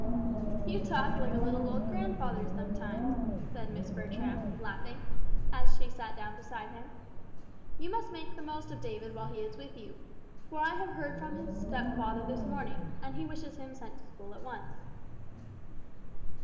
"You talk like a little old grandfather, sometimes," said Miss Bertram, laughing, as she sat down beside him. "You must make the most of David while he is with you, for I have heard from his stepfather this morning, and he wishes him sent to school at once."